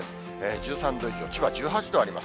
１３度以上、千葉１８度あります。